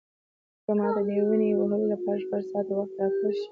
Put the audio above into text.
که ماته د یوې ونې وهلو لپاره شپږ ساعته وخت راکړل شي.